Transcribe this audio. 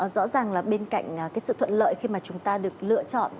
rõ ràng là bên cạnh cái sự thuận lợi khi mà chúng ta được lựa chọn